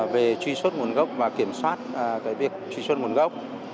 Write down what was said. về truy xuất nguồn gốc và kiểm soát việc truy xuất nguồn gốc